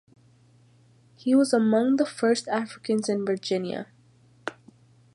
He was among the First Africans in Virginia.